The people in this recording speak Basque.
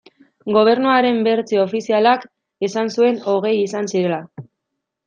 Gobernuaren bertsio ofizialak esan zuen hogei izan zirela.